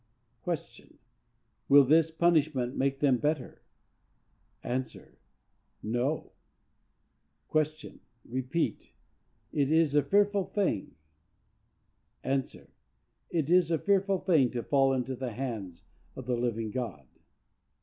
Q. Will this punishment make them better?—A. No. Q. Repeat "It is a fearful thing."—A. "It is a fearful thing to fall into the hands of the living God."